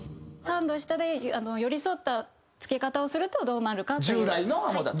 ３度下で寄り添ったつけ方をするとどうなるかっていう。